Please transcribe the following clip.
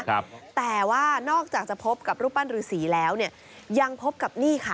ครับแต่ว่านอกจากจะพบกับรูปปั้นรือสีแล้วเนี่ยยังพบกับนี่ค่ะ